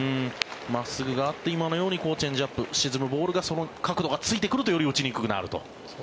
真っすぐがあって今のようにチェンジアップ沈むボールがその角度がついてくるとより打ちにくくなると。